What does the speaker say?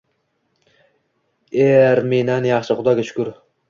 — Erminan yaxshi, Xudoga shukur.